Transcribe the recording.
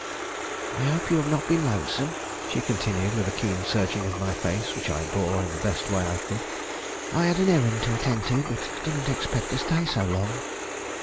I hope you have not been lonesome," she continued, with a keen searching of my face which I bore in the best way I could. "I had an errand to attend to, but didn't expect to stay so long."